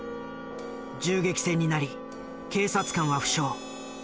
銃撃戦になり警察官は負傷。